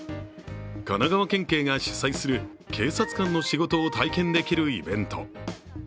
神奈川県警が主催する警察官の仕事を体験できるイベント。